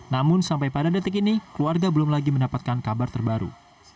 namun sampai pada detik ini keluarga belum lagi mendapatkan kabar terbaru